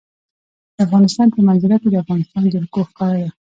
د افغانستان په منظره کې د افغانستان جلکو ښکاره ده.